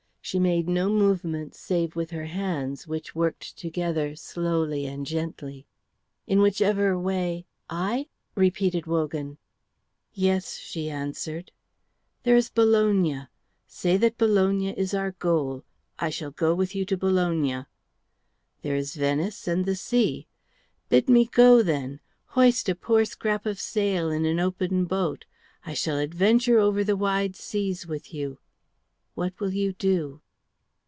She made no movement save with her hands, which worked together slowly and gently. "In whichever way I ?" repeated Wogan. "Yes," she answered. "There is Bologna. Say that Bologna is our goal. I shall go with you to Bologna. There is Venice and the sea. Bid me go, then; hoist a poor scrap of a sail in an open boat. I shall adventure over the wide seas with you. What will you do?"